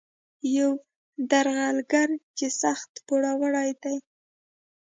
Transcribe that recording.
یو درغلګر چې سخت پوروړی دی.